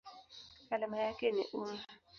Alama yake ni µm.